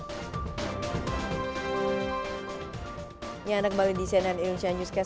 ini anda kembali di cnn indonesia newscast